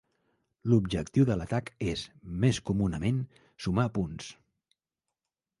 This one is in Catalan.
L'objectiu de l'atac és, més comunament, sumar punts.